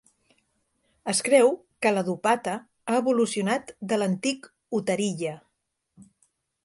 Es creu que la "dupatta" ha evolucionat de l'antic "uttariya".